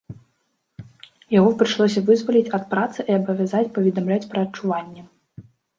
Яго прыйшлося вызваліць ад працы і абавязаць паведамляць пра адчуванні.